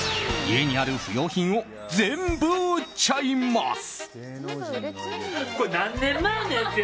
家にある不要品を全部売っちゃいます。